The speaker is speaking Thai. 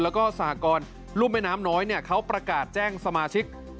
และก็สหกรณ์ลุ่มน้ำน้อยเนี่ยเขาประกาศแจ้งสมาชิก